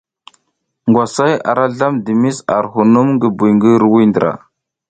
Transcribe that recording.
Ngwasay ara slam dimis ar hunum ngi buy ngi hirwuiy ndra.